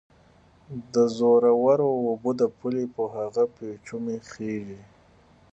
د زورورو اوبه د پولې په هغه پېچومي خېژي